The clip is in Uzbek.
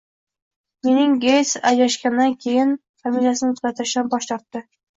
Melinda Geyts ajrashgandan keyin familiyasini o‘zgartirishdan bosh tortdi